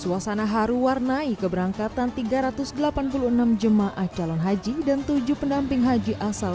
suasana haru warnai keberangkatan tiga ratus delapan puluh enam jemaah calon haji dan tujuh pendamping haji asal